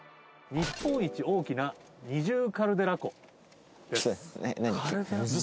日本一大きな二重カルデラ湖？何？